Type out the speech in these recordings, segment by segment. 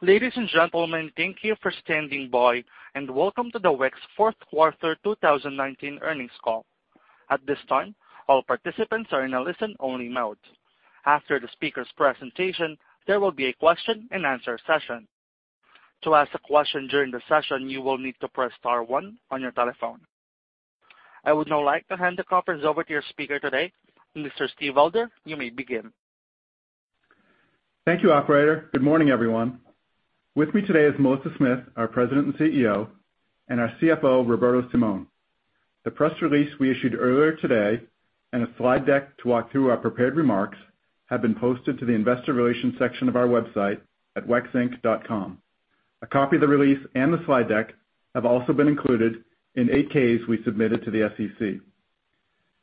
Ladies and gentlemen, thank you for standing by and welcome to the WEX fourth quarter 2019 earnings call. At this time, all participants are in a listen-only mode. After the speaker's presentation, there will be a question-and-answer session. To ask a question during the session, you will need to press star one on your telephone. I would now like to hand the conference over to your speaker today, Mr. Steve Elder. You may begin. Thank you, operator. Good morning, everyone. With me today is Melissa Smith, our President and CEO, and our CFO, Roberto Simon. The press release we issued earlier today and a slide deck to walk through our prepared remarks have been posted to the investor relations section of our website at wexinc.com. A copy of the release and the slide deck have also been included in 8-K we submitted to the SEC.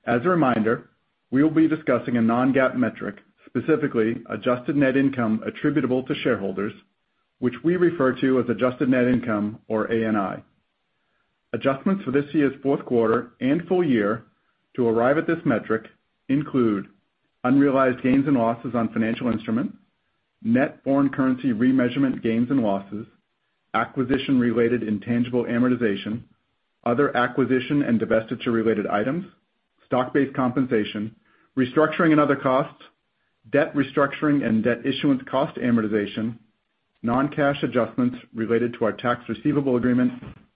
As a reminder, we will be discussing a non-GAAP metric, specifically adjusted net income attributable to shareholders, which we refer to as adjusted net income or ANI. Adjustments for this year's fourth quarter and full year to arrive at this metric include unrealized gains and losses on financial instruments, net foreign currency remeasurement gains and losses, acquisition-related intangible amortization, other acquisition and divestiture-related items, stock-based compensation, restructuring and other costs, debt restructuring and debt issuance cost amortization, non-cash adjustments related to our tax receivable agreements,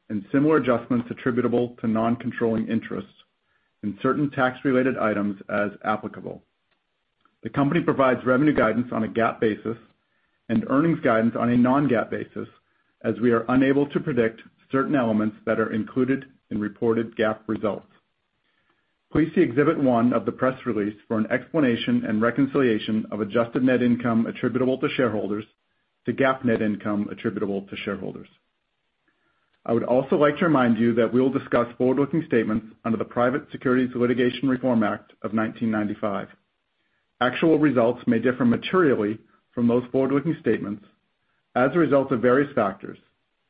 and similar adjustments attributable to non-controlling interests and certain tax-related items as applicable. The company provides revenue guidance on a GAAP basis and earnings guidance on a non-GAAP basis, as we are unable to predict certain elements that are included in reported GAAP results. Please see exhibit one of the press release for an explanation and reconciliation of adjusted net income attributable to shareholders to GAAP net income attributable to shareholders. I would also like to remind you that we will discuss forward-looking statements under the Private Securities Litigation Reform Act of 1995. Actual results may differ materially from those forward-looking statements as a result of various factors,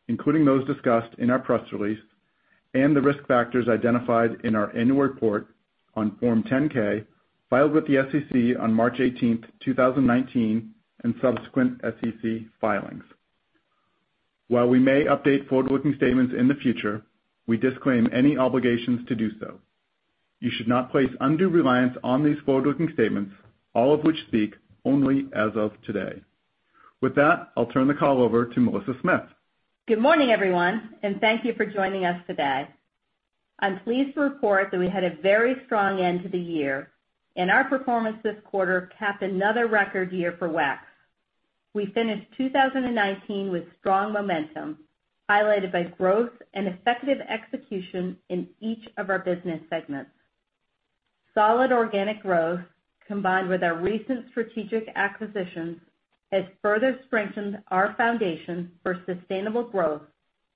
including those discussed in our press release and the risk factors identified in our annual report on Form 10-K, filed with the SEC on March 18th, 2019, and subsequent SEC filings. While we may update forward-looking statements in the future, we disclaim any obligations to do so. You should not place undue reliance on these forward-looking statements, all of which speak only as of today. With that, I'll turn the call over to Melissa Smith. Good morning, everyone, and thank you for joining us today. I'm pleased to report that we had a very strong end to the year, and our performance this quarter capped another record year for WEX. We finished 2019 with strong momentum, highlighted by growth and effective execution in each of our business segments. Solid organic growth, combined with our recent strategic acquisitions, has further strengthened our foundation for sustainable growth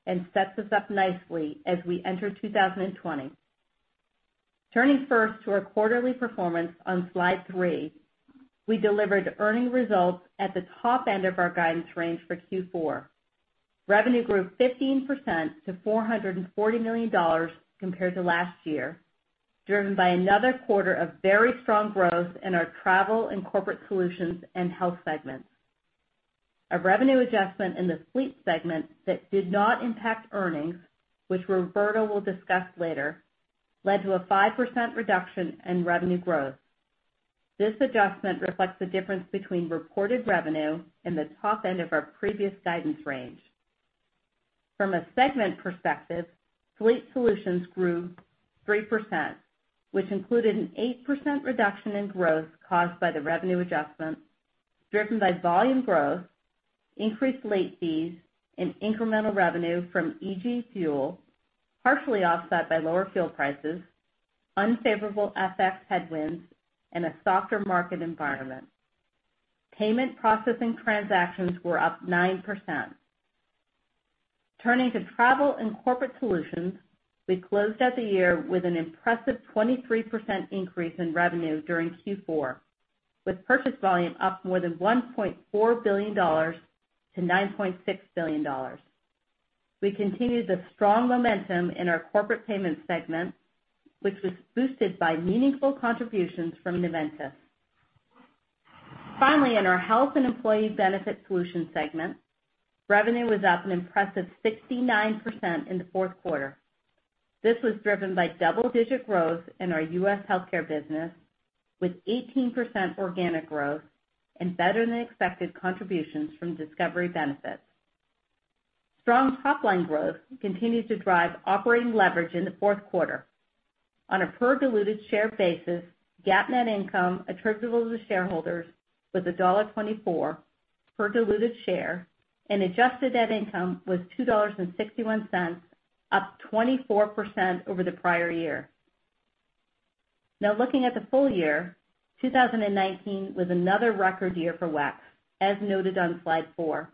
and sets us up nicely as we enter 2020. Turning first to our quarterly performance on slide three, we delivered earnings results at the top end of our guidance range for Q4. Revenue grew 15% to $440 million compared to last year, driven by another quarter of very strong growth in our Travel and Corporate Solutions and Health segments. A revenue adjustment in the Fleet segment that did not impact earnings, which Roberto will discuss later, led to a 5% reduction in revenue growth. This adjustment reflects the difference between reported revenue and the top end of our previous guidance range. From a segment perspective, Fleet Solutions grew 3%, which included an 8% reduction in growth caused by the revenue adjustment, driven by volume growth, increased late fees, and incremental revenue from EG fuel, partially offset by lower fuel prices, unfavorable FX headwinds, and a softer market environment. Payment processing transactions were up 9%. Turning to Travel and Corporate Solutions, we closed out the year with an impressive 23% increase in revenue during Q4, with purchase volume up more than $1.4 billion to $9.6 billion. We continued the strong momentum in our corporate payment segment, which was boosted by meaningful contributions from Noventis. Finally, in our Health and Employee Benefit Solutions segment, revenue was up an impressive 69% in the fourth quarter. This was driven by double-digit growth in our U.S. Healthcare business, with 18% organic growth and better-than-expected contributions from Discovery Benefits. Strong top-line growth continues to drive operating leverage in the fourth quarter. On a per diluted share basis, GAAP net income attributable to shareholders was $1.24 per diluted share, and adjusted net income was $2.61, up 24% over the prior year. Now looking at the full year, 2019 was another record year for WEX, as noted on slide four.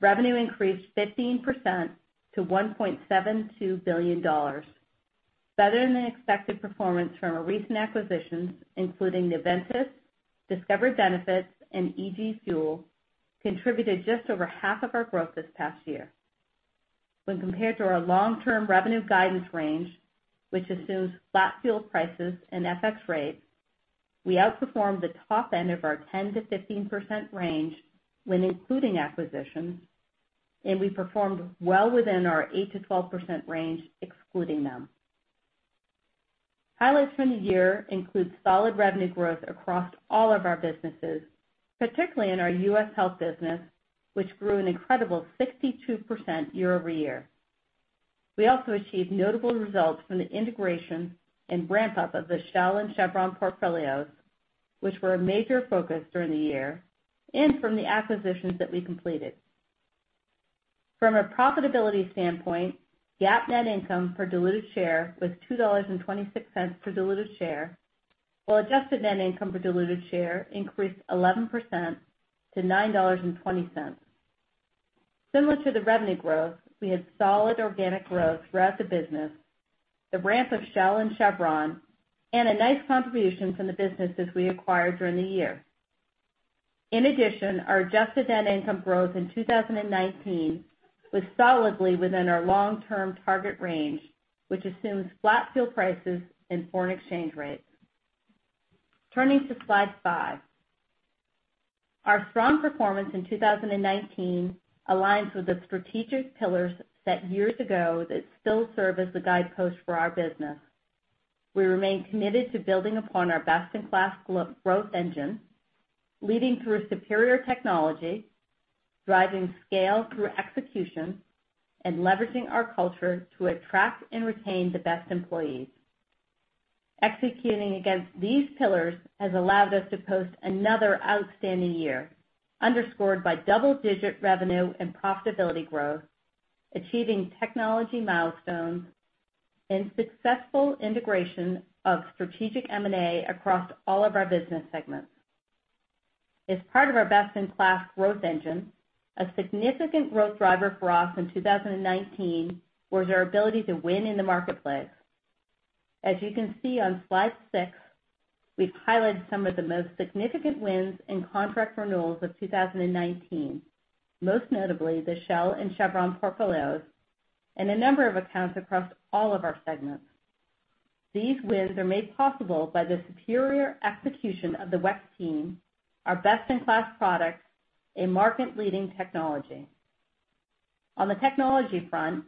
Revenue increased 15% to $1.72 billion. Better-than-expected performance from our recent acquisitions, including Noventis, Discovery Benefits, and EG fuel, contributed just over half of our growth this past year. When compared to our long-term revenue guidance range, which assumes flat fuel prices and FX rates, we outperformed the top end of our 10%-15% range when including acquisitions, and we performed well within our 8%-12% range excluding them. Highlights from the year include solid revenue growth across all of our businesses, particularly in our U.S. Health business, which grew an incredible 62% year-over-year. We also achieved notable results from the integration and ramp-up of the Shell and Chevron portfolios, which were a major focus during the year, and from the acquisitions that we completed. From a profitability standpoint, GAAP net income per diluted share was $2.26 per diluted share, while adjusted net income per diluted share increased 11% to $9.20. Similar to the revenue growth, we had solid organic growth throughout the business, the ramp of Shell and Chevron, and a nice contribution from the businesses we acquired during the year. In addition, our adjusted net income growth in 2019 was solidly within our long-term target range, which assumes flat fuel prices and foreign exchange rates. Turning to slide five. Our strong performance in 2019 aligns with the strategic pillars set years ago that still serve as the guidepost for our business. We remain committed to building upon our best-in-class growth engine, leading through superior technology, driving scale through execution, and leveraging our culture to attract and retain the best employees. Executing against these pillars has allowed us to post another outstanding year, underscored by double-digit revenue and profitability growth, achieving technology milestones, and successful integration of strategic M&A across all of our business segments. As part of our best-in-class growth engine, a significant growth driver for us in 2019 was our ability to win in the marketplace. As you can see on slide six, we've highlighted some of the most significant wins and contract renewals of 2019, most notably the Shell and Chevron portfolios, and a number of accounts across all of our segments. These wins are made possible by the superior execution of the WEX team, our best-in-class products, and market-leading technology. On the technology front,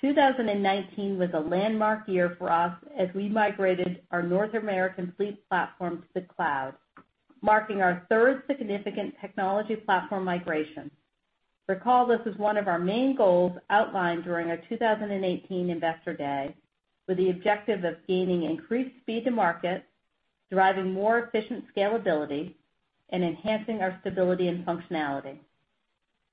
2019 was a landmark year for us as we migrated our North American Fleet platform to the cloud, marking our third significant technology platform migration. Recall, this is one of our main goals outlined during our 2018 Investor Day with the objective of gaining increased speed to market, driving more efficient scalability, and enhancing our stability and functionality.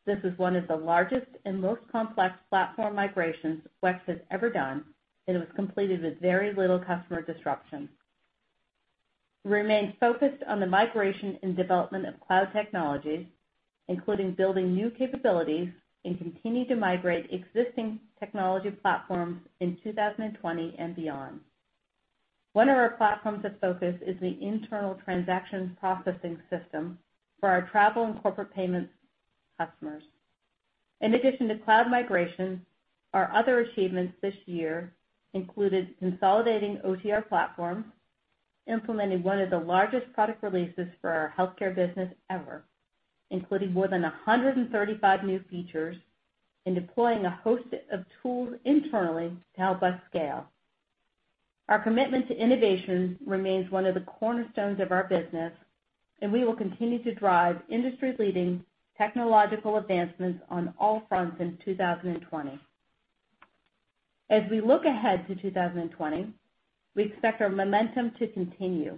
This is one of the largest and most complex platform migrations WEX has ever done, and it was completed with very little customer disruption. We remain focused on the migration and development of cloud technologies, including building new capabilities and continue to migrate existing technology platforms in 2020 and beyond. One of our platforms of focus is the internal transactions processing system for our Travel and Corporate Payments customers. In addition to cloud migration, our other achievements this year included consolidating OTR platforms, implementing one of the largest product releases for our Healthcare business ever, including more than 135 new features, and deploying a host of tools internally to help us scale. Our commitment to innovation remains one of the cornerstones of our business. We will continue to drive industry-leading technological advancements on all fronts in 2020. As we look ahead to 2020, we expect our momentum to continue,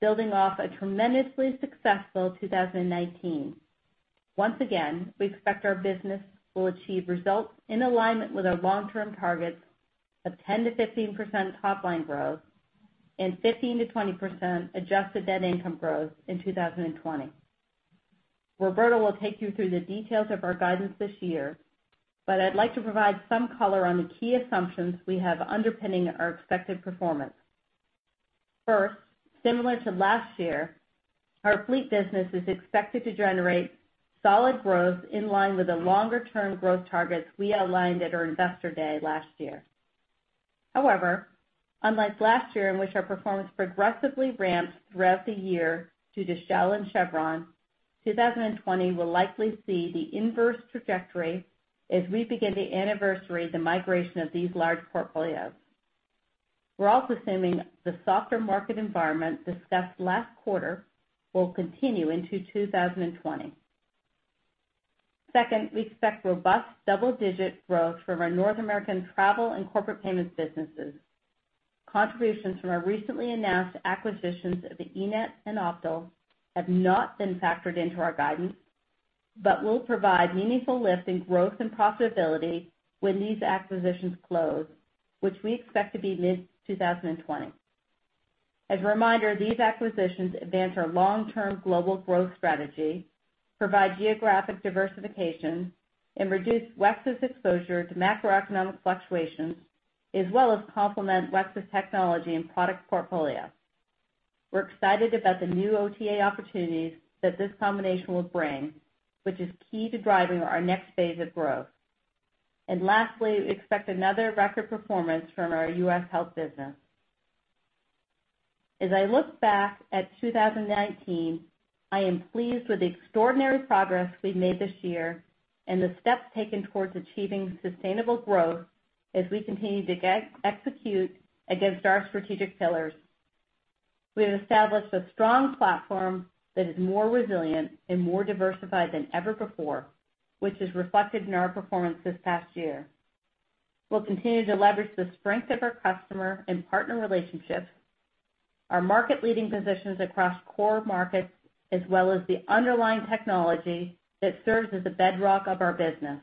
building off a tremendously successful 2019. Once again, we expect our business will achieve results in alignment with our long-term targets of 10%-15% top-line growth and 15%-20% adjusted net income growth in 2020. Roberto will take you through the details of our guidance this year, but I'd like to provide some color on the key assumptions we have underpinning our expected performance. First, similar to last year, our Fleet business is expected to generate solid growth in line with the longer-term growth targets we outlined at our Investor Day last year. Unlike last year in which our performance progressively ramped throughout the year due to Shell and Chevron, 2020 will likely see the inverse trajectory as we begin to anniversary the migration of these large portfolios. We're also assuming the softer market environment discussed last quarter will continue into 2020. Second, we expect robust double-digit growth from our North American Travel and Corporate Payments businesses. Contributions from our recently announced acquisitions of eNett and Optal have not been factored into our guidance but will provide meaningful lift in growth and profitability when these acquisitions close, which we expect to be mid-2020. As a reminder, these acquisitions advance our long-term global growth strategy, provide geographic diversification, and reduce WEX's exposure to macroeconomic fluctuations, as well as complement WEX's technology and product portfolio. We're excited about the new OTA opportunities that this combination will bring, which is key to driving our next phase of growth. Lastly, we expect another record performance from our WEX Health business. As I look back at 2019, I am pleased with the extraordinary progress we've made this year and the steps taken towards achieving sustainable growth as we continue to execute against our strategic pillars. We have established a strong platform that is more resilient and more diversified than ever before, which is reflected in our performance this past year. We'll continue to leverage the strength of our customer and partner relationships, our market leading positions across core markets, as well as the underlying technology that serves as the bedrock of our business.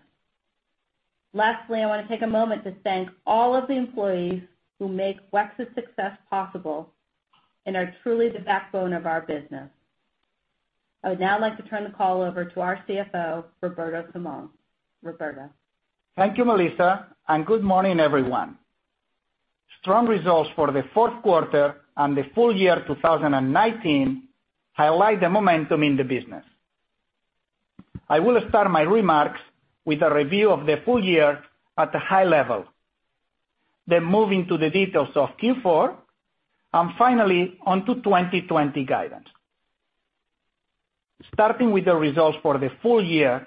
Lastly, I want to take a moment to thank all of the employees who make WEX's success possible and are truly the backbone of our business. I would now like to turn the call over to our CFO, Roberto Simon. Roberto. Thank you, Melissa. Good morning, everyone. Strong results for the Q4 and the full year 2019 highlight the momentum in the business. I will start my remarks with a review of the full year at a high level, then move into the details of Q4, and finally, onto 2020 guidance. Starting with the results for the full year,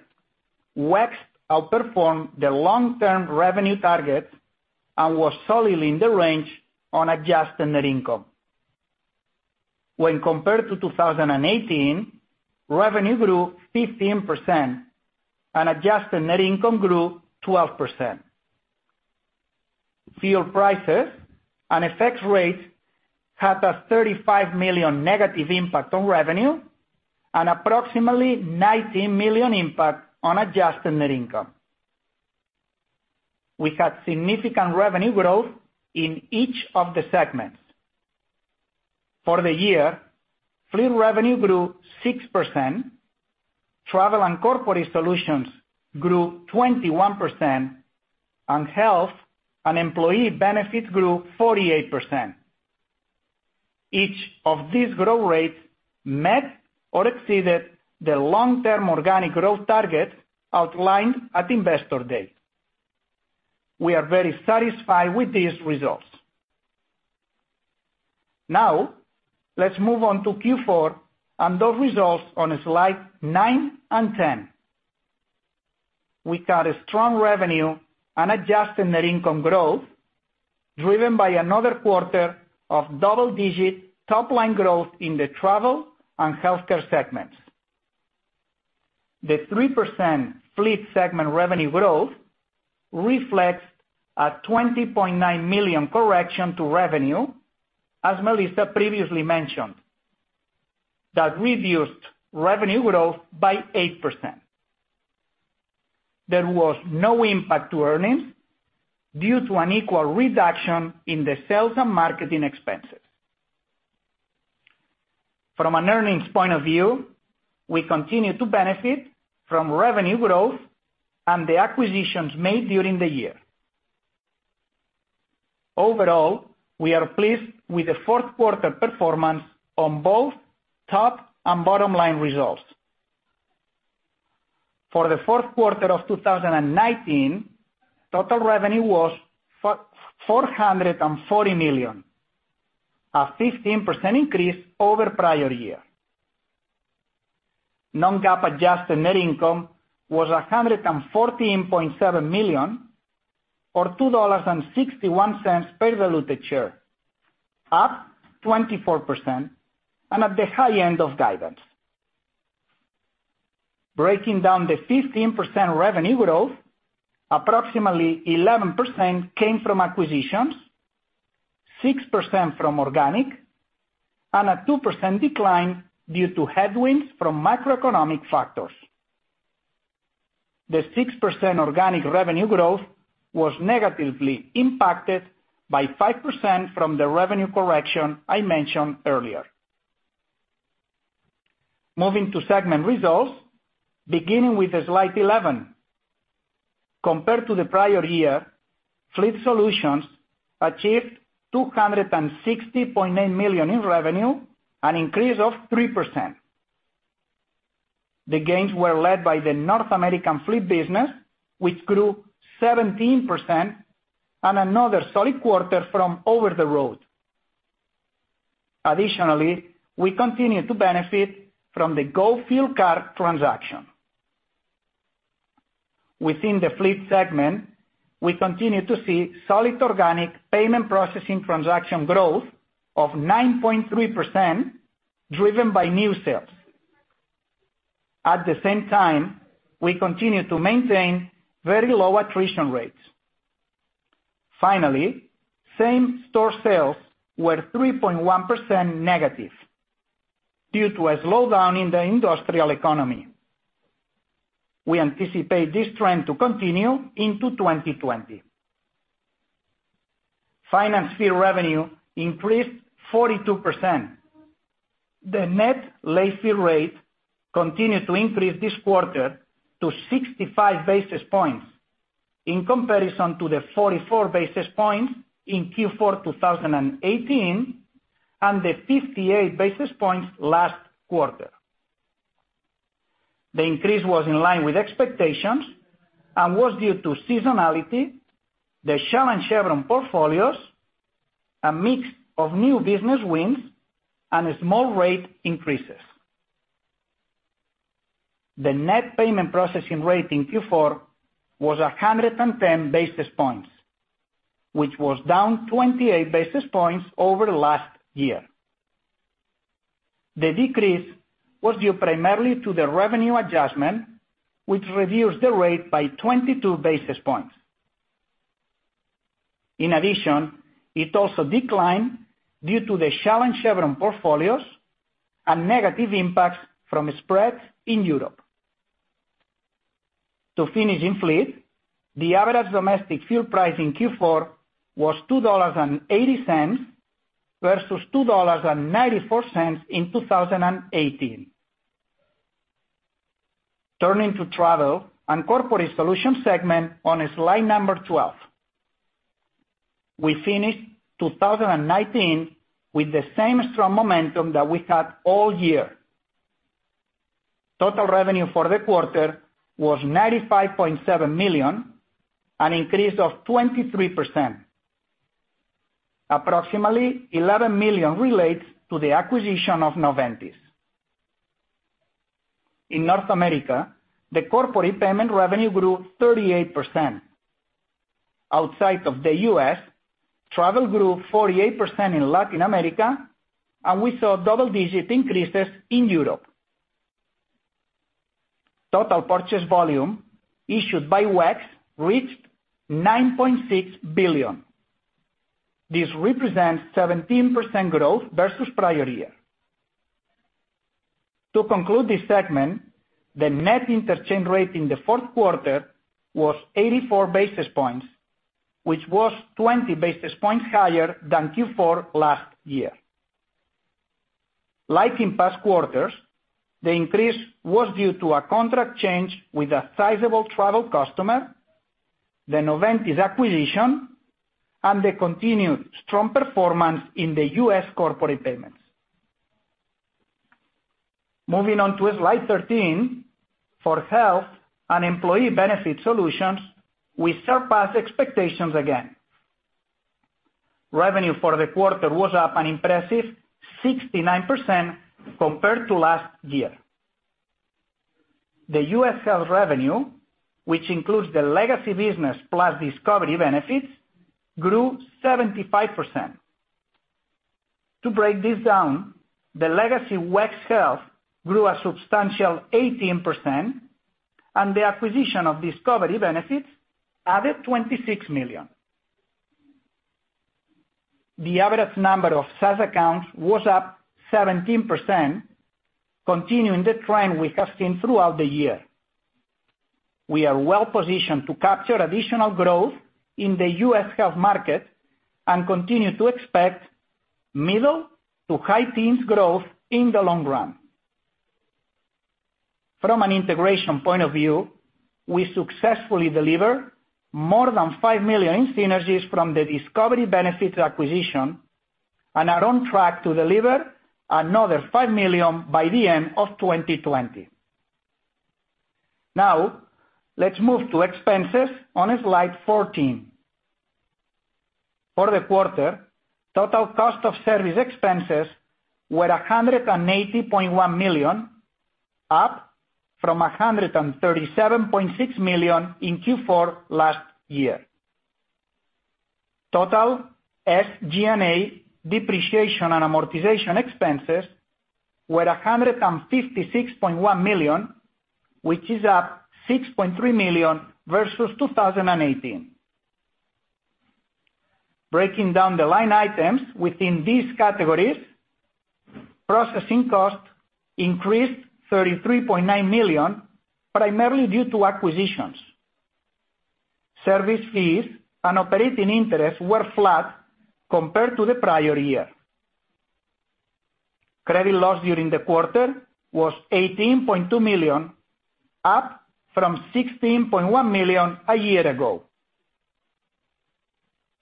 WEX outperformed the long-term revenue target and was solidly in the range on adjusted net income. When compared to 2018, revenue grew 15% and adjusted net income grew 12%. Fuel prices and FX rates had a -$35 million impact on revenue and approximately $19 million impact on adjusted net income. We had significant revenue growth in each of the segments. For the year, Fleet revenue grew 6%, Travel and Corporate Solutions grew 21%, and Health and Employee Benefits grew 48%. Each of these growth rates met or exceeded the long-term organic growth target outlined at Investor Day. We are very satisfied with these results. Let's move on to Q4 and those results on slide nine and 10. We got a strong revenue and adjusted net income growth, driven by another quarter of double-digit top-line growth in the Travel and Healthcare segments. The 3% Fleet segment revenue growth reflects a $20.9 million correction to revenue, as Melissa previously mentioned. That reduced revenue growth by 8%. There was no impact to earnings due to an equal reduction in the sales and marketing expenses. From an earnings point of view, we continue to benefit from revenue growth and the acquisitions made during the year. Overall, we are pleased with the fourth quarter performance on both top and bottom-line results. For the fourth quarter of 2019, total revenue was $440 million, a 15% increase over prior year. Non-GAAP adjusted net income was $114.7 million, or $2.61 per diluted share, up 24% and at the high end of guidance. Breaking down the 15% revenue growth, approximately 11% came from acquisitions, 6% from organic, and a 2% decline due to headwinds from macroeconomic factors. The 6% organic revenue growth was negatively impacted by 5% from the revenue correction I mentioned earlier. Moving to segment results, beginning with slide 11. Compared to the prior year, Fleet Solutions achieved $260.9 million in revenue, an increase of 3%. The gains were led by the North American Fleet business, which grew 17%, and another solid quarter from over the road. Additionally, we continue to benefit from the Go Fuel Card transaction. Within the Fleet segment, we continue to see solid organic payment processing transaction growth of 9.3%, driven by new sales. At the same time, we continue to maintain very low attrition rates. Finally, same-store sales were -3.1% due to a slowdown in the industrial economy. We anticipate this trend to continue into 2020. Finance fee revenue increased 42%. The net late fee rate continued to increase this quarter to 65 basis points. In comparison to the 44 basis points in Q4 2018, and the 58 basis points last quarter. The increase was in line with expectations and was due to seasonality, the Shell and Chevron portfolios, a mix of new business wins, and small rate increases. The net payment processing rate in Q4 was 110 basis points, which was down 28 basis points over last year. The decrease was due primarily to the revenue adjustment, which reduced the rate by 22 basis points. It also declined due to the Shell and Chevron portfolios and negative impacts from spreads in Europe. To finish in Fleet, the average domestic fuel price in Q4 was $2.80 versus $2.94 in 2018. Turning to Travel and Corporate Solutions segment on slide number 12. We finished 2019 with the same strong momentum that we had all year. Total revenue for the quarter was $95.7 million, an increase of 23%. Approximately $11 million relates to the acquisition of Noventis. In North America, the corporate payment revenue grew 38%. Outside of the U.S., travel grew 48% in Latin America, and we saw double-digit increases in Europe. Total purchase volume issued by WEX reached $9.6 billion. This represents 17% growth versus prior year. To conclude this segment, the net interchange rate in the fourth quarter was 84 basis points, which was 20 basis points higher than Q4 last year. Like in past quarters, the increase was due to a contract change with a sizable travel customer, the Noventis acquisition, and the continued strong performance in the U.S. Corporate Payments. Moving on to slide 13, for Health and Employee Benefit Solutions, we surpassed expectations again. Revenue for the quarter was up an impressive 69% compared to last year. The U.S. Health revenue, which includes the legacy business plus Discovery Benefits, grew 75%. To break this down, the legacy WEX Health grew a substantial 18%, and the acquisition of Discovery Benefits added $26 million. The average number of SaaS accounts was up 17%, continuing the trend we have seen throughout the year. We are well-positioned to capture additional growth in the U.S. Health market and continue to expect middle to high teens growth in the long run. From an integration point of view, we successfully deliver more than $5 million in synergies from the Discovery Benefits acquisition and are on track to deliver another $5 million by the end of 2020. Now, let's move to expenses on slide 14. For the quarter, total cost of service expenses were $180.1 million, up from $137.6 million in Q4 last year. Total SG&A depreciation and amortization expenses were $156.1 million, which is up $6.3 million versus 2018. Breaking down the line items within these categories, processing cost increased $33.9 million, primarily due to acquisitions. Service fees and operating interest were flat compared to the prior year. Credit loss during the quarter was $18.2 million, up from $16.1 million a year ago.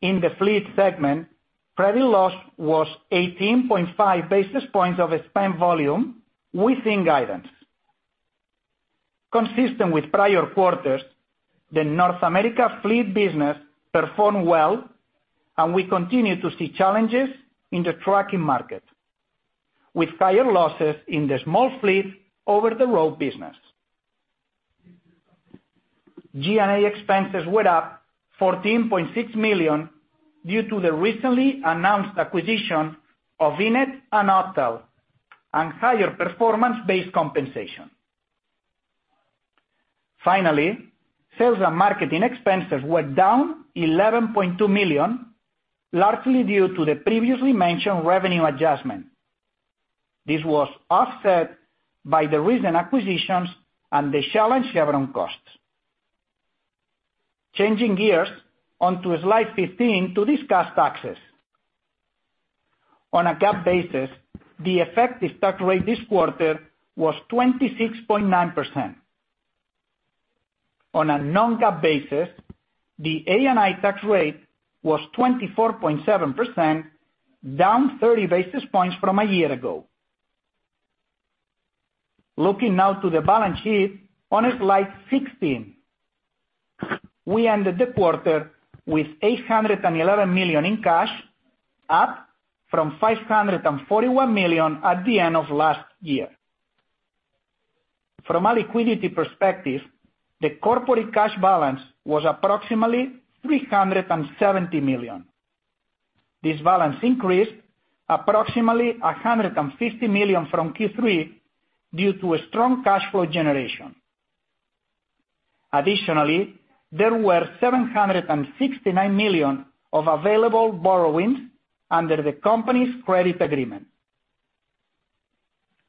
In the Fleet segment, credit loss was 18.5 basis points of spent volume within guidance. Consistent with prior quarters, the North America Fleet business performed well, and we continue to see challenges in the trucking market, with higher losses in the small fleet over-the-road business. G&A expenses were up $14.6 million due to the recently announced acquisition of eNett and Optal and higher performance-based compensation. Finally, sales and marketing expenses were down $11.2 million, largely due to the previously mentioned revenue adjustment. This was offset by the recent acquisitions and the Shell and Chevron costs. Changing gears on to slide 15 to discuss taxes. On a GAAP basis, the effective tax rate this quarter was 26.9%. On a non-GAAP basis, the ANI tax rate was 24.7%, down 30 basis points from a year ago. Looking now to the balance sheet on slide 16. We ended the quarter with $811 million in cash, up from $541 million at the end of last year. From a liquidity perspective, the corporate cash balance was approximately $370 million. This balance increased approximately $150 million from Q3 due to a strong cash flow generation. Additionally, there were $769 million of available borrowings under the company's credit agreement.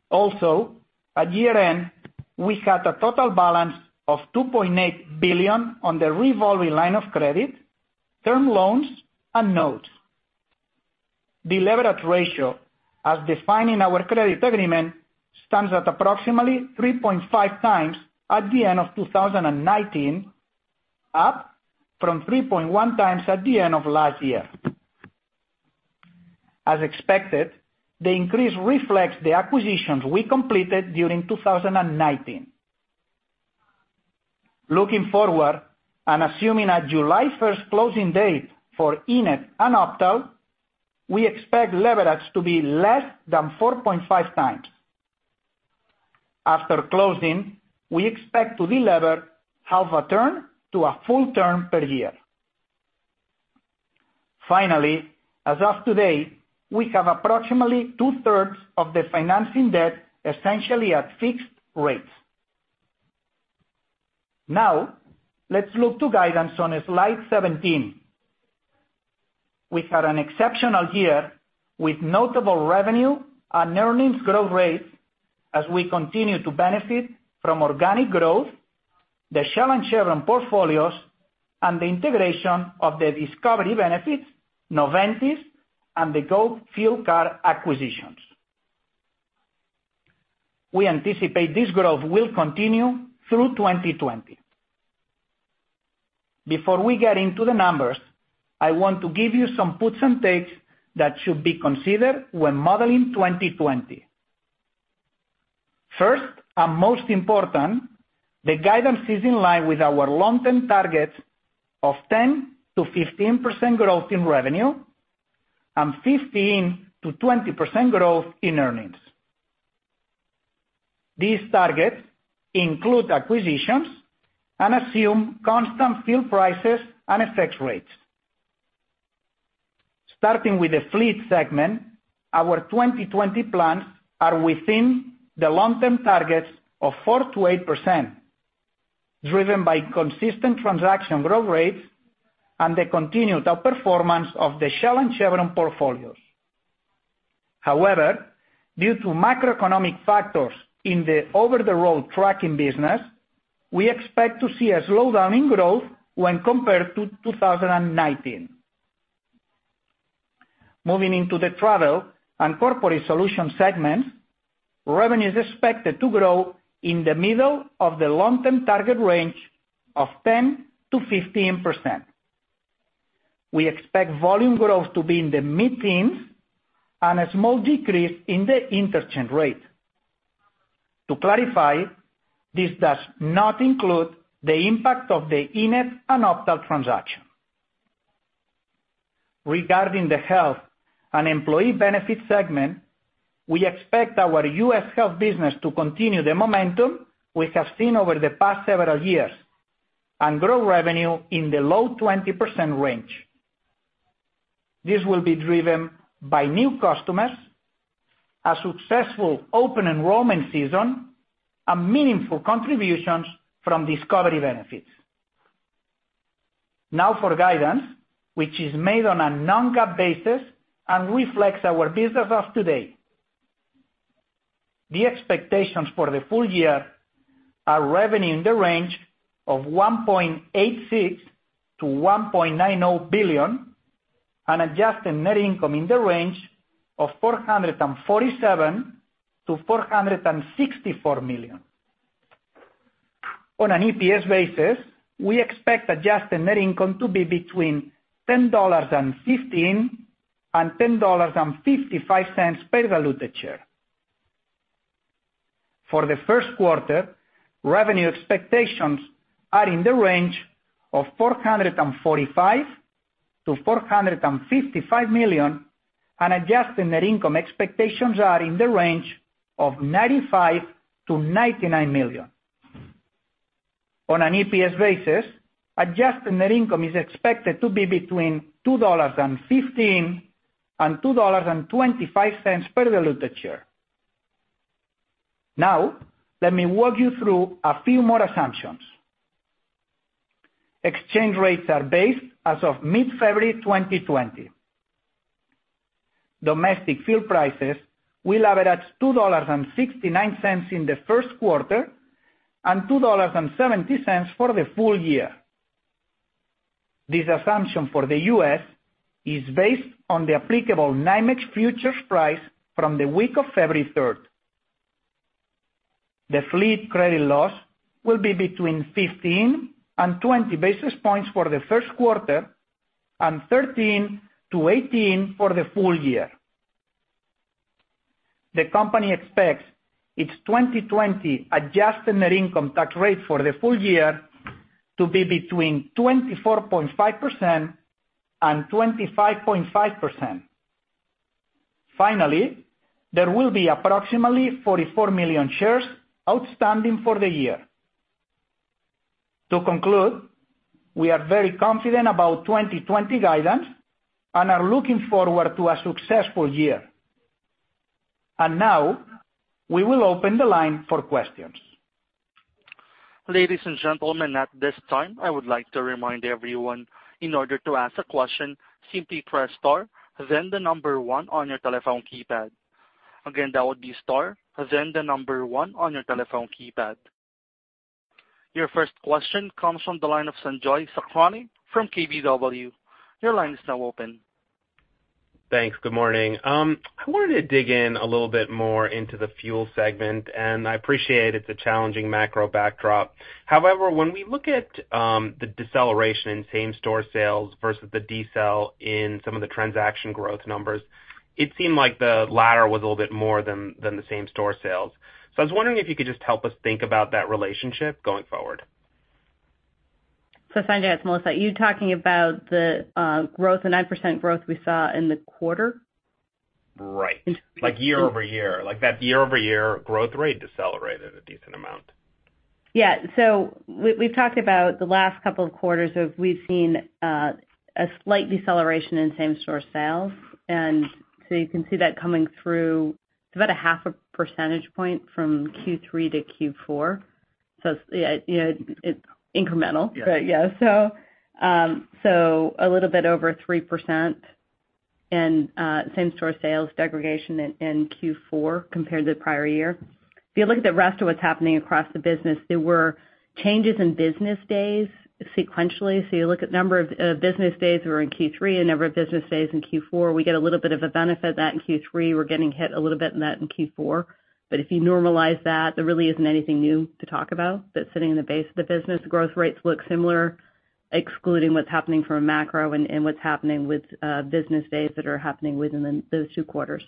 Also, at year-end, we had a total balance of $2.8 billion on the revolving line of credit, term loans, and notes. The leverage ratio, as defined in our credit agreement, stands at approximately 3.5x at the end of 2019, up from 3.1x at the end of last year. As expected, the increase reflects the acquisitions we completed during 2019. Looking forward and assuming a July 1st closing date for eNett and Optal, we expect leverage to be less than 4.5x. After closing, we expect to delever half a turn to a full turn per year. Finally, as of today, we have approximately two-thirds of the financing debt essentially at fixed rates. Let's look to guidance on slide 17. We've had an exceptional year with notable revenue and earnings growth rates as we continue to benefit from organic growth, the Shell and Chevron portfolios, and the integration of the Discovery Benefits, Noventis, and the Go Fuel Card acquisitions. We anticipate this growth will continue through 2020. Before we get into the numbers, I want to give you some puts and takes that should be considered when modeling 2020. First, most important, the guidance is in line with our long-term targets of 10%-15% growth in revenue and 15%-20% growth in earnings. These targets include acquisitions and assume constant fuel prices and FX rates. Starting with the Fleet segment, our 2020 plans are within the long-term targets of 4%-8%, driven by consistent transaction growth rates and the continued outperformance of the Shell and Chevron portfolios. Due to macroeconomic factors in the over-the-road trucking business, we expect to see a slowdown in growth when compared to 2019. Moving into the Travel and Corporate Solutions segment, revenue is expected to grow in the middle of the long-term target range of 10%-15%. We expect volume growth to be in the mid-teens and a small decrease in the interchange rate. To clarify, this does not include the impact of the eNett and Optal transactions. Regarding the Health and Employee Benefits segment, we expect our U.S. Health business to continue the momentum we have seen over the past several years and grow revenue in the low 20% range. This will be driven by new customers, a successful open enrollment season, and meaningful contributions from Discovery Benefits. For guidance, which is made on a non-GAAP basis and reflects our business of today. The expectations for the full year are revenue in the range of $1.86 billion-$1.90 billion and adjusted net income in the range of $447 million-$464 million. On an EPS basis, we expect adjusted net income to be between $10.15 and $10.55 per diluted share. For the first quarter, revenue expectations are in the range of $445 million-$455 million, and adjusted net income expectations are in the range of $95 million-$99 million. On an EPS basis, adjusted net income is expected to be between $2.15 and $2.25 per diluted share. Let me walk you through a few more assumptions. Exchange rates are based as of mid-February 2020. Domestic fuel prices will average $2.69 in the first quarter and $2.70 for the full year. This assumption for the U.S. is based on the applicable NYMEX futures price from the week of February 3rd. The Fleet credit loss will be between 15 and 20 basis points for the first quarter, and 13 to 18 for the full year. The company expects its 2020 adjusted net income tax rate for the full year to be between 24.5% and 25.5%. Finally, there will be approximately 44 million shares outstanding for the year. To conclude, we are very confident about 2020 guidance and are looking forward to a successful year. Now, we will open the line for questions. Ladies and gentlemen, at this time, I would like to remind everyone, in order to ask a question, simply press star then the number one on your telephone keypad. Again, that would be star, then the number one on your telephone keypad. Your first question comes from the line of Sanjay Sakhrani from KBW. Your line is now open. Thanks. Good morning. I wanted to dig in a little bit more into the Fuel segment. I appreciate it's a challenging macro backdrop. However, when we look at the deceleration in same-store sales versus the decel in some of the transaction growth numbers, it seemed like the latter was a little bit more than the same-store sales. I was wondering if you could just help us think about that relationship going forward. Sanjay, it's Melissa. Are you talking about the 9% growth we saw in the quarter? Right. Like year-over-year. Like that year-over-year growth rate decelerated a decent amount. Yeah. We've talked about the last couple of quarters, we've seen a slight deceleration in same-store sales. You can see that coming through about a half a percentage point from Q3 to Q4. It's incremental. Yeah. Yeah. A little bit over 3% in same-store sales degradation in Q4 compared to the prior year. If you look at the rest of what's happening across the business, there were changes in business days sequentially. You look at number of business days were in Q3 and number of business days in Q4, we get a little bit of a benefit that in Q3, we're getting hit a little bit in that in Q4. If you normalize that, there really isn't anything new to talk about that's sitting in the base of the business. The growth rates look similar, excluding what's happening from a macro and what's happening with business days that are happening within those two quarters.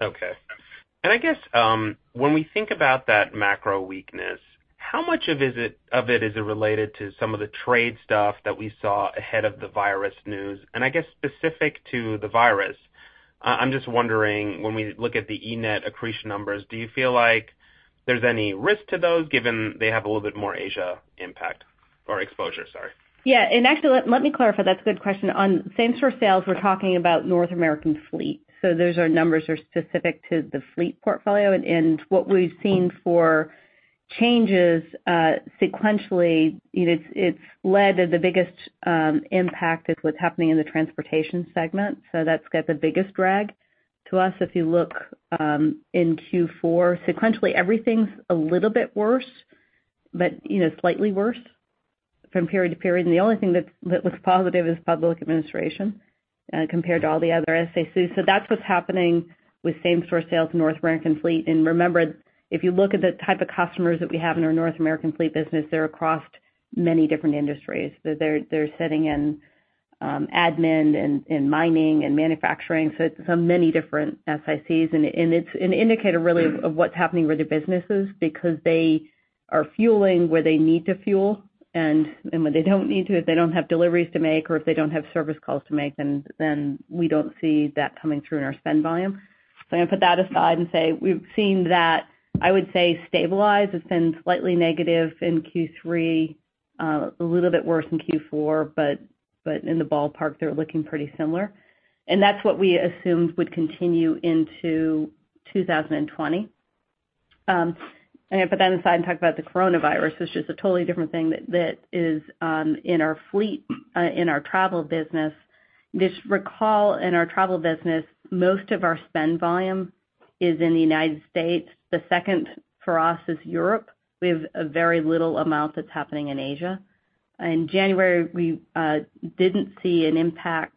Okay. I guess, when we think about that macro weakness, how much of it is related to some of the trade stuff that we saw ahead of the virus news? I guess specific to the virus, I'm just wondering, when we look at the eNett accretion numbers, do you feel like there's any risk to those given they have a little bit more Asia impact or exposure, sorry? Yeah. Actually, let me clarify. That's a good question. On same-store sales, we're talking about North American Fleet. Those numbers are specific to the Fleet portfolio. What we've seen for changes, sequentially, it's led to the biggest impact is what's happening in the transportation segment. That's got the biggest drag to us. If you look in Q4, sequentially, everything's a little bit worse, but slightly worse from period to period. The only thing that was positive is public administration compared to all the other SICs. That's what's happening with same-store sales in North American Fleet. Remember, if you look at the type of customers that we have in our North American Fleet business, they're across many different industries. They're sitting in admin, mining, and manufacturing. It's many different SICs, and it's an indicator really of what's happening with the businesses because they are fueling where they need to fuel. When they don't need to, if they don't have deliveries to make or if they don't have service calls to make, then we don't see that coming through in our spend volume. I'm going to put that aside and say we've seen that, I would say, stabilize. It's been slightly negative in Q3, a little bit worse in Q4, but in the ballpark, they're looking pretty similar. That's what we assumed would continue into 2020. I'm going to put that aside and talk about the coronavirus, which is a totally different thing that is in our Fleet, in our Travel business. Just recall, in our travel business, most of our spend volume is in the United States. The second for us is Europe. We have a very little amount that's happening in Asia. In January, we didn't see an impact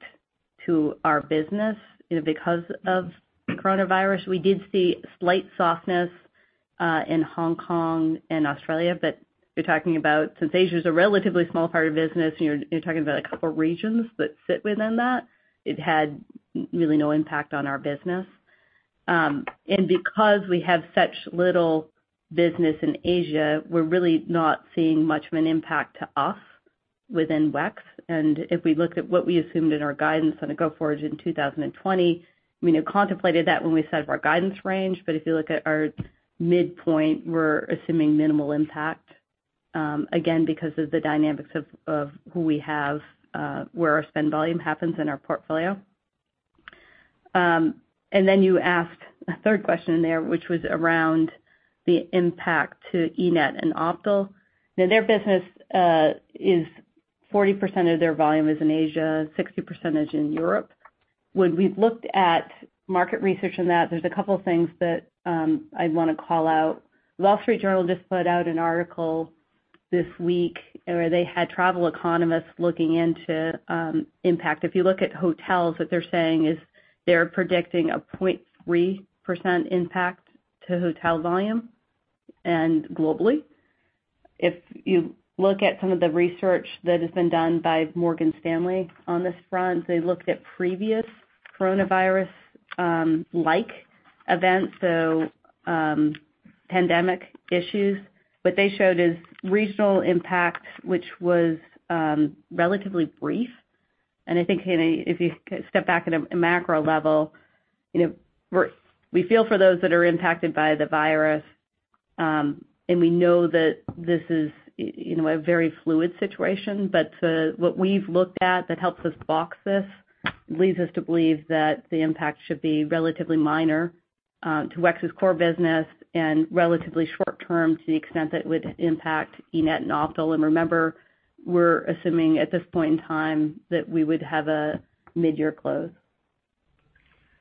to our business because of coronavirus. We did see slight softness in Hong Kong and Australia. You're talking about, since Asia is a relatively small part of business, and you're talking about a couple of regions that sit within that, it had really no impact on our business. Because we have such little business in Asia, we're really not seeing much of an impact to us within WEX. If we look at what we assumed in our guidance on a go-forward in 2020, we contemplated that when we set up our guidance range. If you look at our midpoint, we're assuming minimal impact, again, because of the dynamics of who we have, where our spend volume happens in our portfolio. You asked a third question in there, which was around the impact to eNett and Optal. Their business is 40% of their volume is in Asia, 60% in Europe. We've looked at market research and that, there's a couple things that I'd want to call out. Wall Street Journal just put out an article this week where they had travel economists looking into impact. If you look at hotels, what they're saying is they're predicting a 0.3% impact to hotel volume globally. If you look at some of the research that has been done by Morgan Stanley on this front, they looked at previous coronavirus-like events, so pandemic issues. What they showed is regional impact, which was relatively brief. I think, Sanjay, if you step back at a macro level, we feel for those that are impacted by the virus, and we know that this is a very fluid situation. What we've looked at that helps us box this, leads us to believe that the impact should be relatively minor to WEX's core business and relatively short term to the extent that it would impact eNett and Optal. Remember, we're assuming at this point in time that we would have a mid-year close.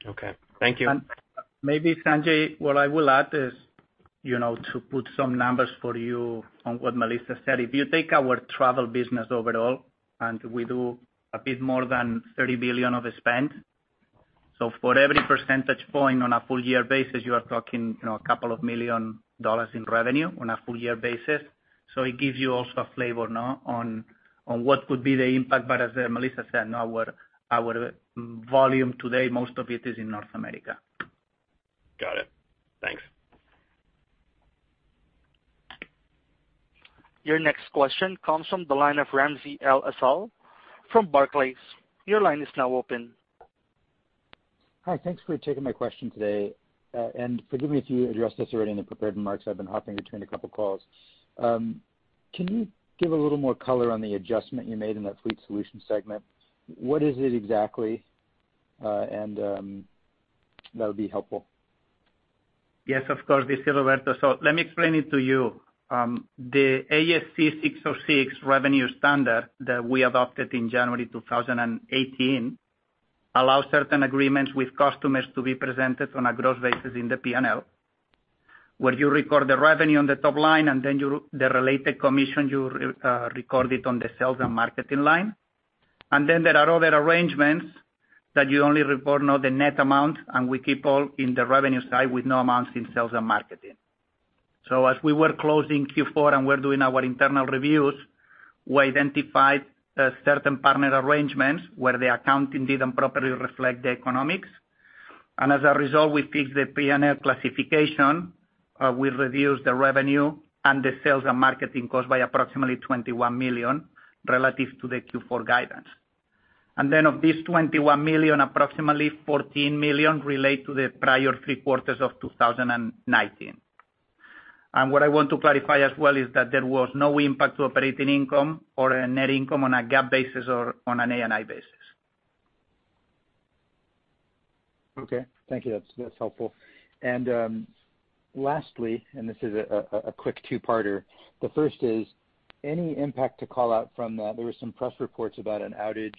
Okay. Thank you. Maybe, Sanjay, what I will add is to put some numbers for you on what Melissa said. If you take our travel business overall, and we do a bit more than $30 billion of spend. For every percentage point on a full year basis, you are talking $2 million in revenue on a full year basis. It gives you also a flavor now on what could be the impact. As Melissa said, our volume today, most of it is in North America. Got it. Thanks. Your next question comes from the line of Ramsey El-Assal from Barclays. Your line is now open. Hi. Thanks for taking my question today. Forgive me if you addressed this already in the prepared remarks. I've been hopping between a couple of calls. Can you give a little more color on the adjustment you made in that Fleet Solutions segment? What is it exactly? That would be helpful. Yes, of course, this is Roberto. Let me explain it to you. The ASC 606 revenue standard that we adopted in January 2018 allows certain agreements with customers to be presented on a gross basis in the P&L, where you record the revenue on the top line, and then the related commission, you record it on the sales and marketing line. There are other arrangements that you only report now the net amount, and we keep all in the revenue side, with no amounts in sales and marketing. As we were closing Q4 and we're doing our internal reviews, we identified certain partner arrangements where the accounting didn't properly reflect the economics. As a result, we fixed the P&L classification. We reduced the revenue and the sales and marketing cost by approximately $21 million relative to the Q4 guidance. Of this $21 million, approximately $14 million relate to the prior three quarters of 2019. What I want to clarify as well is that there was no impact to operating income or net income on a GAAP basis or on an ANI basis. Okay. Thank you. That's helpful. And lastly, and this is a quick two-parter. The first is any impact to call out from the-- there were some press reports about an outage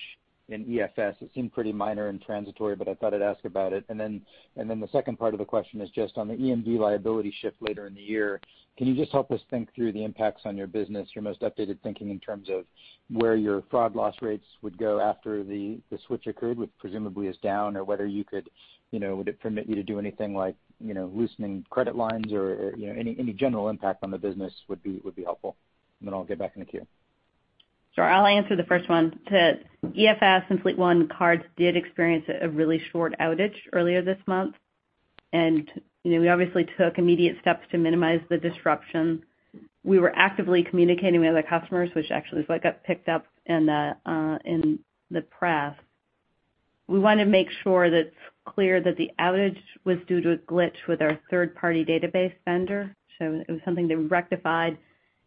in EFS. It seemed pretty minor and transitory, but I thought I'd ask about it. The second part of the question is just on the EMV liability shift later in the year. Can you just help us think through the impacts on your business, your most updated thinking in terms of where your fraud loss rates would go after the switch occurred, which presumably is down, or whether would it permit you to do anything like loosening credit lines or any general impact on the business would be helpful. I'll get back in the queue. Sure. I'll answer the first one. EFS and Fleet One cards did experience a really short outage earlier this month. We obviously took immediate steps to minimize the disruption. We were actively communicating with our customers, which actually is what got picked up in the press. We want to make sure that it's clear that the outage was due to a glitch with our third-party database vendor. It was something they've rectified.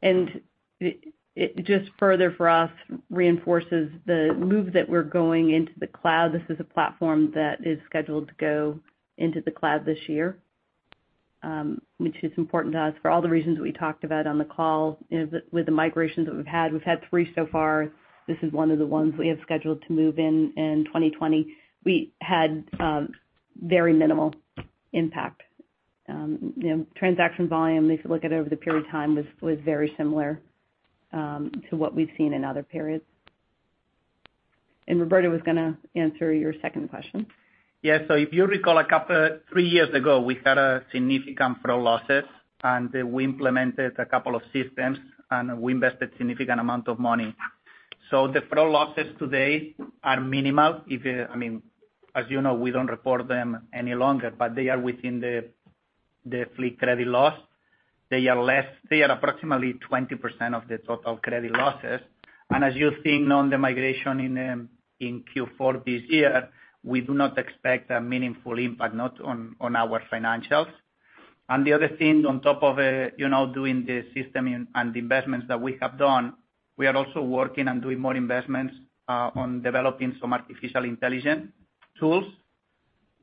It just further, for us, reinforces the move that we're going into the cloud. This is a platform that is scheduled to go into the cloud this year, which is important to us for all the reasons we talked about on the call. With the migrations that we've had, we've had three so far. This is one of the ones we have scheduled to move in 2020. We had very minimal impact. Transaction volume, if you look at it over the period of time, was very similar to what we've seen in other periods. Roberto was going to answer your second question. If you recall, three years ago, we had significant fraud losses, and we implemented a couple of systems, and we invested significant amount of money. The fraud losses today are minimal. As you know, we don't report them any longer, but they are within the Fleet credit loss. They are approximately 20% of the total credit losses. As you've seen on the migration in Q4 this year, we do not expect a meaningful impact, not on our financials. The other thing on top of doing the system and the investments that we have done, we are also working on doing more investments on developing some artificial intelligence tools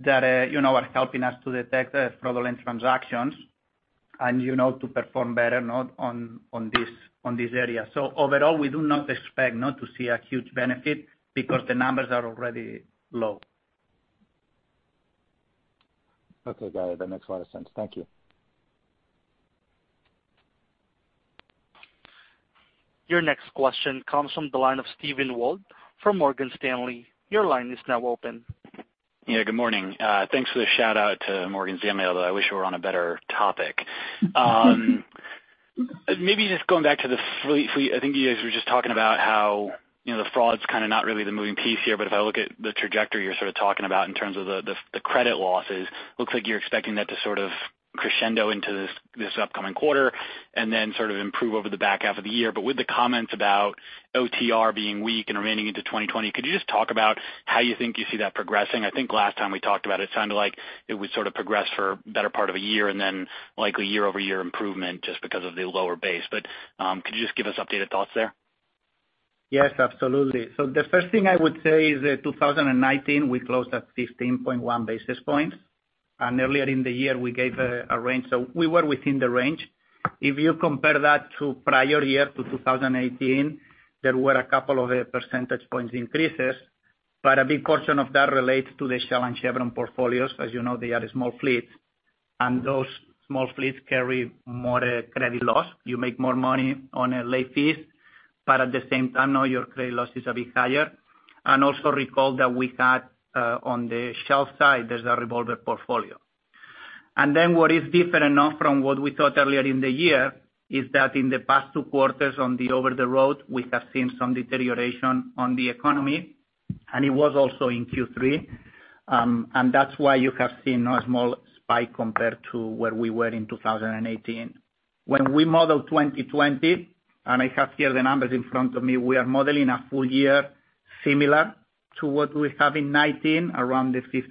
that are helping us to detect the fraudulent transactions and to perform better now on this area. Overall, we do not expect not to see a huge benefit because the numbers are already low. Okay, got it. That makes a lot of sense. Thank you. Your next question comes from the line of Steven Wald from Morgan Stanley. Your line is now open. Yeah. Good morning. Thanks for the shout-out to Morgan Stanley, although I wish it were on a better topic. Maybe just going back to the Fleet. I think you guys were just talking about how the fraud's kind of not really the moving piece here, but if I look at the trajectory, you're sort of talking about in terms of the credit losses, looks like you're expecting that to sort of crescendo into this upcoming quarter and then sort of improve over the back half of the year. With the comments about OTR being weak and remaining into 2020, could you just talk about how you think you see that progressing? I think last time we talked about it sounded like it would sort of progress for the better part of a year and then likely year-over-year improvement just because of the lower base. Could you just give us updated thoughts there? Yes, absolutely. The first thing I would say is that 2019, we closed at 15.1 basis points. Earlier in the year we gave a range. We were within the range. If you compare that to prior year, to 2018, there were a couple of percentage points increases, but a big portion of that relates to the Shell and Chevron portfolios. As you know, they are small fleets. Those small fleets carry more credit loss. You make more money on late fees. At the same time, now your credit loss is a bit higher. Also, recall that we had on the Shell side, there's a revolver portfolio. What is different now from what we thought earlier in the year is that in the past two quarters on the over-the-road, we have seen some deterioration on the economy, and it was also in Q3. That's why you have seen a small spike compared to where we were in 2018. When we model 2020, I have here the numbers in front of me, we are modeling a full year similar to what we have in 2019,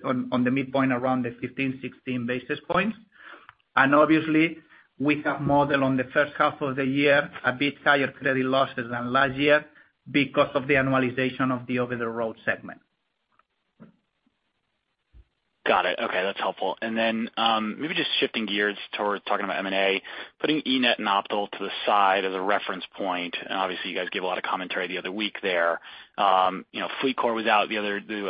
on the midpoint around the 15, 16 basis points. Obviously, we have modeled on the first half of the year a bit higher credit losses than last year because of the annualization of the over-the-road segment. Got it. Okay. That's helpful. Maybe just shifting gears towards talking about M&A. Putting eNett and Optal to the side as a reference point, and obviously, you guys gave a lot of commentary the other week there. FleetCor was out the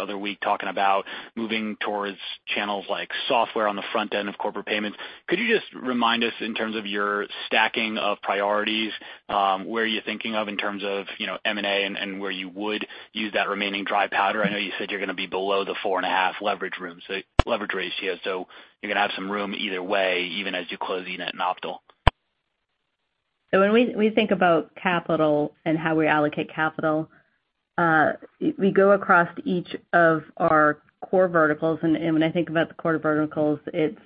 other week talking about moving towards channels like software on the front end of Corporate Payments. Could you just remind us in terms of your stacking of priorities, where you're thinking of in terms of M&A and where you would use that remaining dry powder? I know you said you're going to be below the 4.5 leverage ratio, so you're going to have some room either way, even as you close eNett and Optal. When we think about capital and how we allocate capital, we go across each of our core verticals. When I think about the core verticals, it's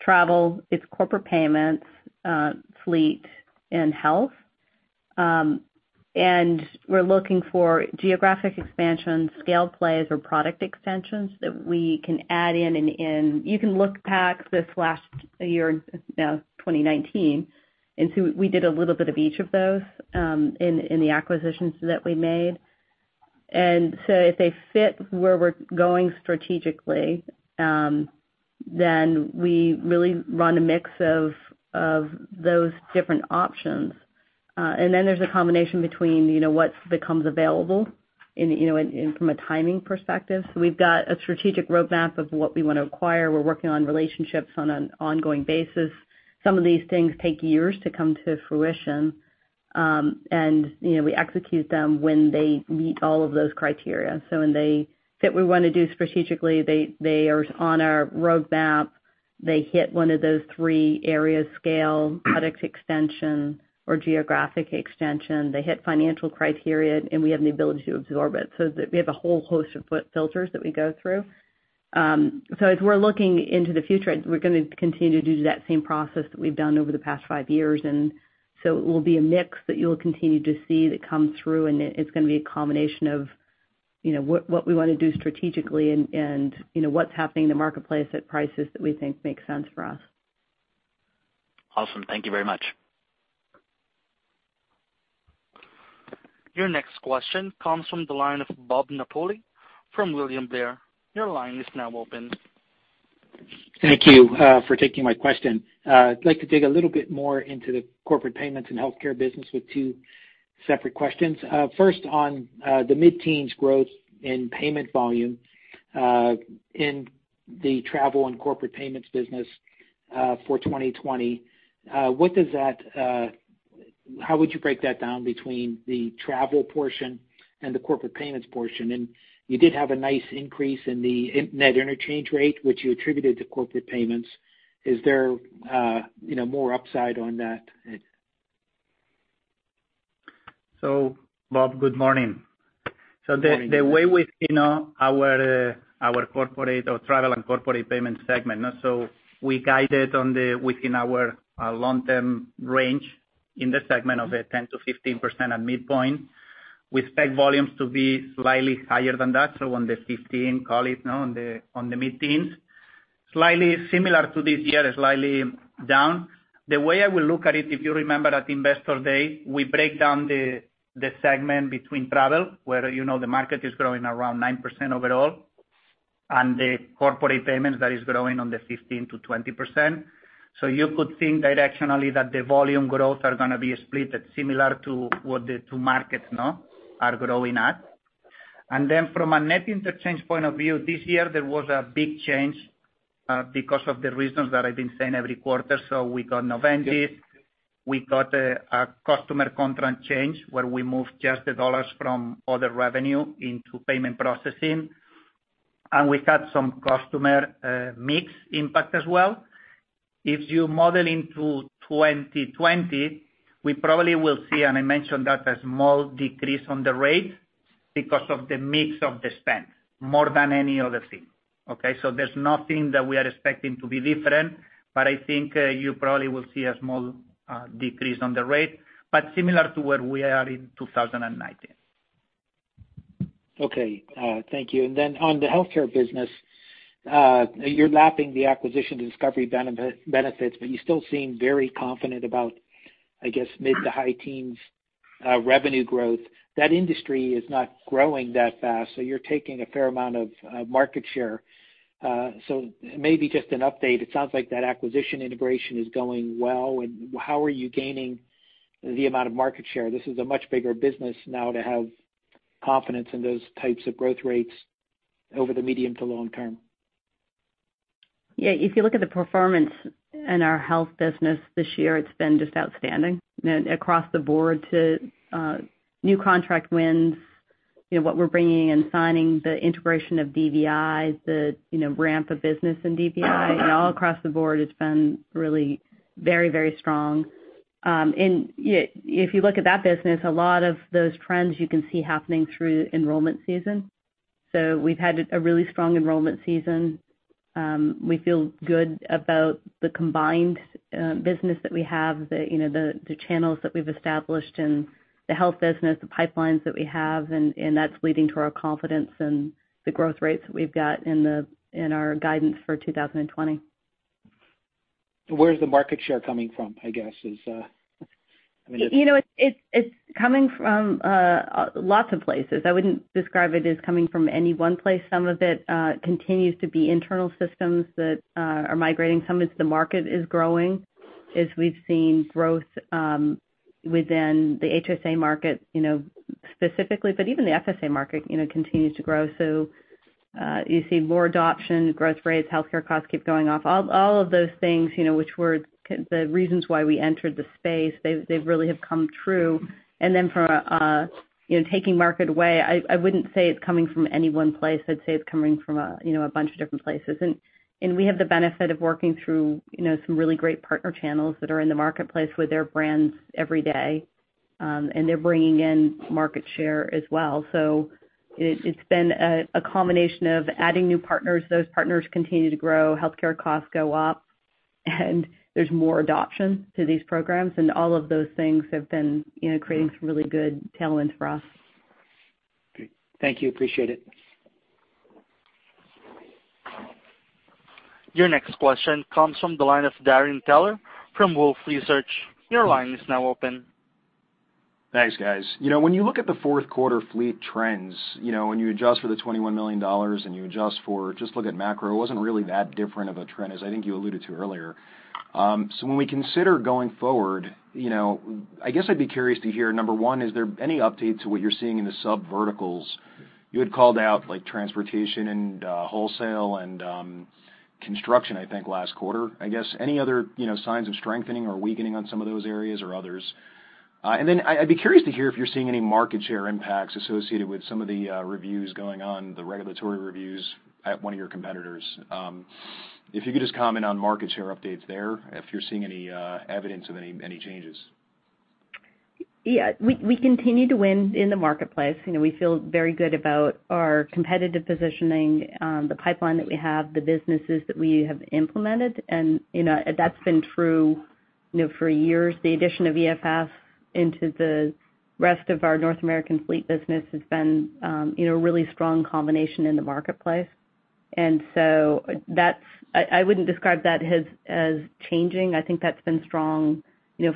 travel, it's Corporate Payments, Fleet, and Health. We're looking for geographic expansion, scale plays, or product extensions that we can add in. You can look back this last year, now 2019, and see we did a little bit of each of those in the acquisitions that we made. If they fit where we're going strategically, we really run a mix of those different options. There's a combination between what becomes available from a timing perspective. We've got a strategic roadmap of what we want to acquire. We're working on relationships on an ongoing basis. Some of these things take years to come to fruition. We execute them when they meet all of those criteria. When they fit what we want to do strategically, they are on our roadmap. They hit one of those three area scale, product extension, or geographic extension, they hit financial criteria, and we have the ability to absorb it. We have a whole host of filters that we go through. As we're looking into the future, we're going to continue to do that same process that we've done over the past five years. It will be a mix that you'll continue to see that comes through, and it's going to be a combination of what we want to do strategically and what's happening in the marketplace at prices that we think make sense for us. Awesome. Thank you very much. Your next question comes from the line of Bob Napoli from William Blair. Your line is now open. Thank you for taking my question. I'd like to dig a little bit more into the Corporate Payments and Healthcare business with two separate questions. First on the mid-teens' growth in payment volume, in the Travel and Corporate Payments business, for 2020. How would you break that down between the travel portion and the Corporate Payments portion? You did have a nice increase in the net interchange rate, which you attributed to Corporate Payments. Is there more upside on that? Bob, good morning. Good morning. The way we see our Travel and Corporate payment segment. We guided within our long-term range in the segment of a 10%-15% at the midpoint. We expect volumes to be slightly higher than that, on the 15, call it now, on the mid-teens. Slightly similar to this year, slightly down. The way I will look at it, if you remember at Investor Day, we break down the segment between travel, where the market is growing around 9% overall, and the Corporate Payments that is growing on the 15%-20%. You could think directionally that the volume growth are going to be split similar to what the two markets now are growing at. From a net interchange point of view, this year there was a big change because of the reasons that I've been saying every quarter. We got Noventis, we got a customer contract change where we moved just the dollars from other revenue into payment processing, and we had some customer mix impact as well. If you model into 2020, we probably will see, and I mentioned that, a small decrease on the rate because of the mix of the spend more than any other thing. Okay? There's nothing that we are expecting to be different, but I think you probably will see a small decrease on the rate, but similar to where we are in 2019. Okay, thank you. On the Healthcare business, you're lapping the acquisition to Discovery Benefits, but you still seem very confident about, I guess, mid to high teens revenue growth. That industry is not growing that fast, so you're taking a fair amount of market share. Maybe just an update. It sounds like the acquisition integration is going well. How are you gaining the amount of market share? This is a much bigger business now to have confidence in those types of growth rates over the medium to long term. If you look at the performance in our Health business this year, it's been just outstanding across the board to new contract wins, what we're bringing and signing, the integration of DVI, the ramp of business in DVI, and all across the board, it's been really very strong. If you look at that business, a lot of those trends you can see happening through enrollment season. We've had a really strong enrollment season. We feel good about the combined business that we have, the channels that we've established in the Health business, the pipelines that we have, and that's leading to our confidence and the growth rates that we've got in our guidance for 2020. Where's the market share coming from, I guess? It's coming from lots of places. I wouldn't describe it as coming from any one place. Some of it continues to be internal systems that are migrating. Some it's the market is growing as we've seen growth within the HSA market specifically, but even the FSA market continues to grow. You see more adoption, growth rates, and healthcare costs keep going up. All of those things which were the reasons why we entered the space, they really have come true. From taking market away, I wouldn't say it's coming from any one place. I'd say it's coming from a bunch of different places. We have the benefit of working through some really great partner channels that are in the marketplace with their brands every day. They're bringing in market share as well. It's been a combination of adding new partners. Those partners continue to grow, healthcare costs go up, and there's more adoption to these programs. All of those things have been creating some really good tailwinds for us. Great. Thank you. Appreciate it. Your next question comes from the line of Darrin Peller from Wolfe Research. Your line is now open. Thanks, guys. When you look at the fourth quarter Fleet trends, when you adjust for the $21 million, and you just look at macro, it wasn't really that different of a trend as I think you alluded to earlier. When we consider going forward, I guess I'd be curious to hear, number one, is there any update to what you're seeing in the sub verticals? You had called out transportation and wholesale and construction, I think last quarter. I guess, any other signs of strengthening or weakening on some of those areas or others? I'd be curious to hear if you're seeing any market share impacts associated with some of the reviews going on, the regulatory reviews at one of your competitors. If you could just comment on market share updates there, if you're seeing any evidence of any changes. Yeah, we continue to win in the marketplace. We feel very good about our competitive positioning, the pipeline that we have, the businesses that we have implemented, and that's been true for years. The addition of EFS into the rest of our North American Fleet business has been a really strong combination in the marketplace. I wouldn't describe that as changing. I think that's been strong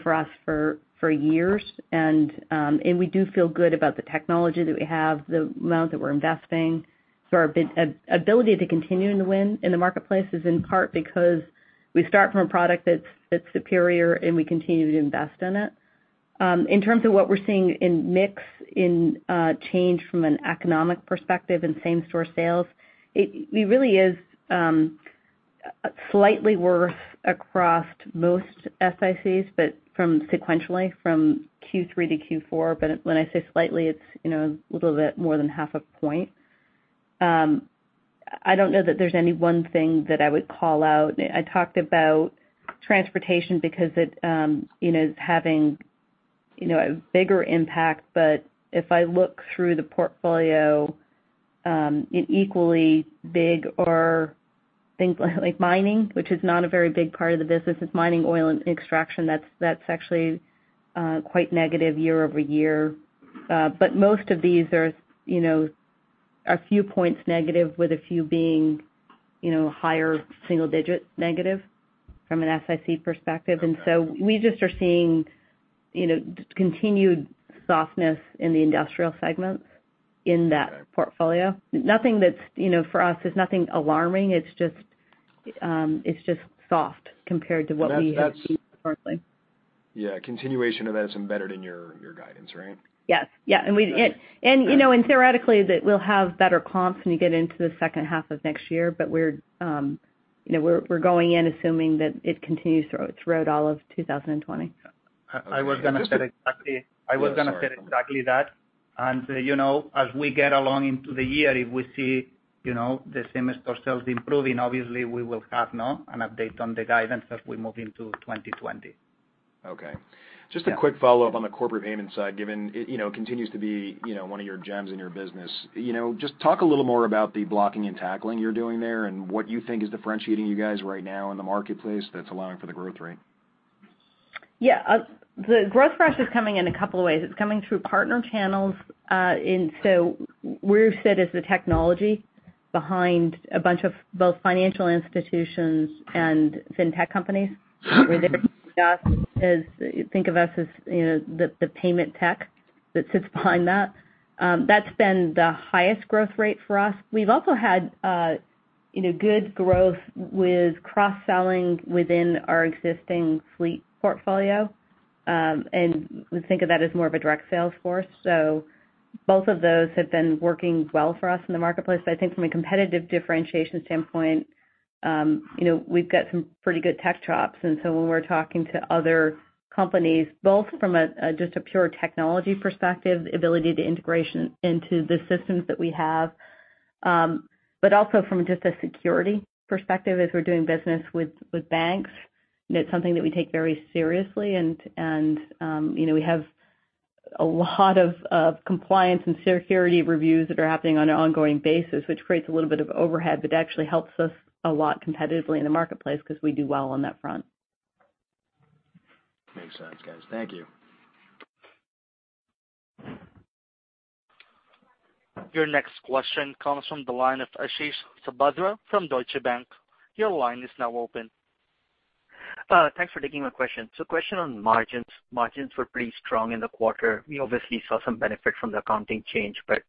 for us for years. We do feel good about the technology that we have, the amount that we're investing. Our ability to continue to win in the marketplace is in part because we start from a product that's superior, and we continue to invest in it. In terms of what we're seeing in mix in change from an economic perspective and same store sales, it really is slightly worse across most SICs, but from sequentially from Q3 to Q4. When I say slightly, it's a little bit more than half a point. I don't know that there's any one thing that I would call out. I talked about transportation because it's having a bigger impact. If I look through the portfolio, equally big are things like mining, which is not a very big part of the business, is mining oil and extraction. That's actually quite negative year-over-year. Most of these are a few points negative, with a few being higher single digits negative from an SIC perspective. We just are seeing continued softness in the industrial segments in that portfolio. For us, it's nothing alarming. It's just soft compared to what we have seen historically. Yeah. Continuation of that is embedded in your guidance, right? Yes. Theoretically, we'll have better comps when we get into the second half of next year, but we're going in assuming that it continues through. It's rolled all of 2020. I was going to say exactly that. As we get along into the year, if we see the same store sales improving, obviously, we will have an update on the guidance as we move into 2020. Just a quick follow-up on the corporate payment side, given it continues to be one of your gems in your business. Just talk a little more about the blocking and tackling you're doing there, and what you think is differentiating you guys right now in the marketplace that's allowing for the growth rate. Yeah. The growth for us is coming in a couple of ways. It's coming through partner channels. We're set as the technology behind a bunch of both financial institutions and fintech companies. Think of us as the payment tech that sits behind that. That's been the highest growth rate for us. We've also had good growth with cross-selling within our existing Fleet portfolio. We think of that as more of a direct sales force. Both of those have been working well for us in the marketplace. I think from a competitive differentiation standpoint, we've got some pretty good tech chops. When we're talking to other companies, both from just a pure technology perspective, ability to integration into the systems that we have, but also from just a security perspective, as we're doing business with banks, and it's something that we take very seriously. We have a lot of compliance and security reviews that are happening on an ongoing basis, which creates a little bit of overhead, but actually helps us a lot competitively in the marketplace because we do well on that front. Makes sense, guys. Thank you. Your next question comes from the line of Ashish Sabadra from Deutsche Bank. Your line is now open. Thanks for taking my question. Question on margins. Margins were pretty strong in the quarter. We obviously saw some benefit from the accounting change, but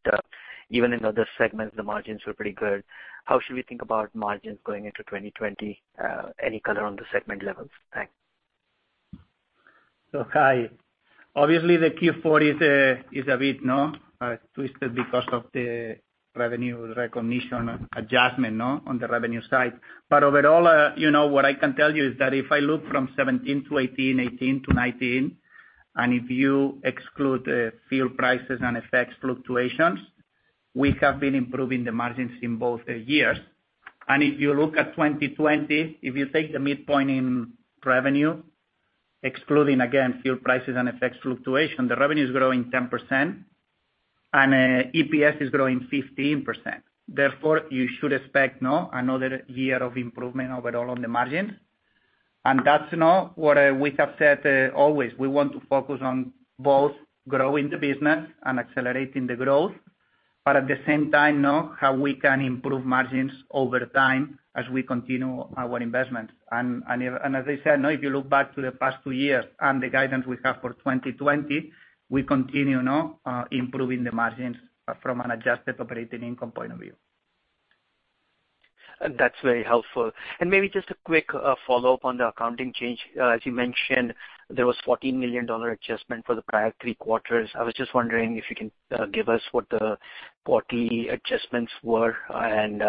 even in other segments, the margins were pretty good. How should we think about margins going into 2020? Any color on the segment levels? Thanks. Hi. Obviously, the Q4 is a bit twisted because of the revenue recognition adjustment on the revenue side. Overall, what I can tell you is that if I look from 2017 to 2018 to 2019, and if you exclude the fuel prices and FX fluctuations, we have been improving the margins in both years. If you look at 2020, if you take the midpoint in revenue, excluding, again, fuel prices and FX fluctuation, the revenue is growing 10%, and EPS is growing 15%. Therefore, you should expect another year of improvement overall on the margin. That's what we have said always. We want to focus on both growing the business and accelerating the growth, but at the same time, how we can improve margins over time as we continue our investments. As I said, if you look back to the past two years and the guidance we have for 2020, we continue improving the margins from an adjusted operating income point of view. That's very helpful. Maybe just a quick follow-up on the accounting change. As you mentioned, there was $14 million adjustment for the prior three quarters. I was just wondering if you can give us what the quarterly adjustments were, and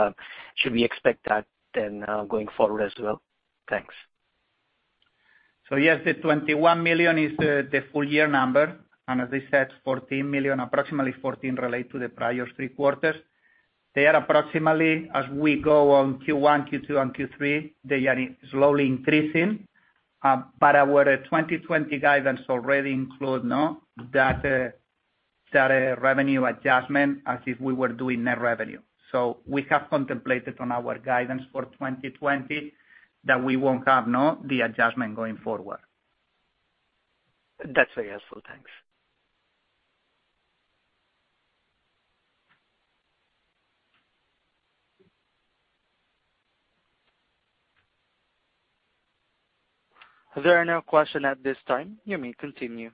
should we expect that then going forward as well? Thanks. Yes, the $21 million is the full-year number. As I said, approximately $14 million relates to the prior three quarters. They are approximately as we go on Q1, Q2, and Q3, they are slowly increasing. Our 2020 guidance already includes that revenue adjustment as if we were doing net revenue. We have contemplated on our guidance for 2020 that we won't have the adjustment going forward. That's very helpful. Thanks. There are no questions at this time. You may continue.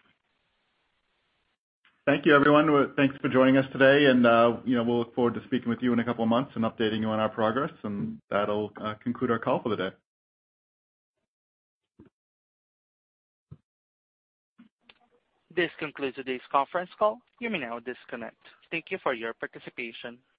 Thank you everyone. Thanks for joining us today. We'll look forward to speaking with you in a couple of months and updating you on our progress. That'll conclude our call for the day. This concludes today's conference call. You may now disconnect. Thank you for your participation.